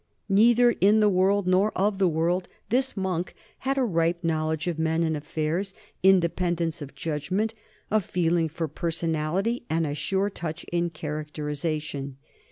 Neither in the world nor of the world, this monk had a ripe knowledge of men and affairs, in dependence of judgment, a feeling for personality, and a sure touch in characterization.